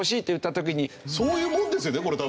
そういうもんですよねこれ多分。